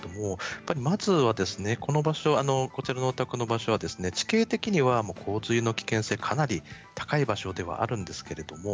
まずは、このお宅の場所は地形的には危険性がかなり高い場所ではあるんです。